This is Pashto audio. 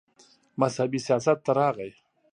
مذهبي سياست ته راغے